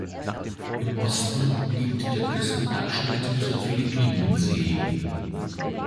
Im Osten liegt der Küstenabschnitt zur Philippinensee.